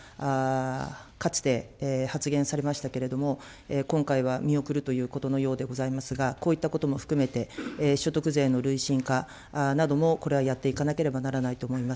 金融所得課税、これは岸田総理がかつて発言されましたけれども、今回は見送るということのようでございますが、こういったことも含めて、所得税の累進化なども、これはやっていかなければならないと思います。